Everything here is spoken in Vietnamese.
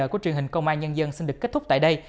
công an nhân dân xin được kết thúc tại đây